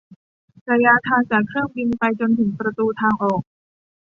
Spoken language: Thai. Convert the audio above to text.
ระยะทางจากเครื่องบินไปจนถึงประตูทางออก